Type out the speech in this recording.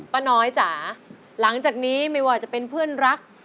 ป้าน้อยจ๋าหลังจากนี้ไม่ว่าจะเป็นเพื่อนรัก